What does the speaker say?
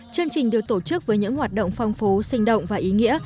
chương trình được tổ chức với những hoạt động phong phú sinh động và ý nghĩa